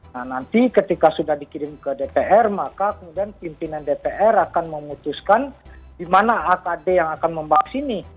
nah nanti ketika sudah dikirim ke dpr maka kemudian pimpinan dpr akan memutuskan di mana akd yang akan membahas ini